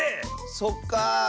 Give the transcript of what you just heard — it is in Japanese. そっかあ。